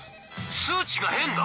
「数値が変だ！